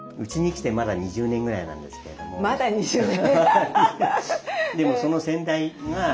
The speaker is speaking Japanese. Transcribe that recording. まだ２０年！